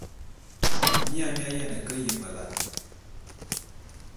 Mia mi aye ke yemelane.